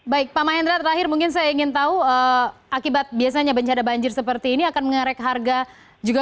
baik pak mahendra terakhir mungkin saya ingin tahu akibat biasanya bencana banjir seperti ini akan mengerek harga juga